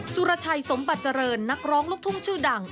สุรชัยสมบัติเจริญนักร้องลูกทุ่งชื่อดัง